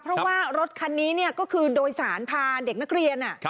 เพราะว่ารถคันนี้ก็คือโดยสารพาเด็กนักเรียน